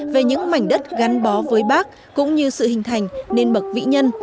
về những mảnh đất gắn bó với bác cũng như sự hình thành nền bậc vĩ nhân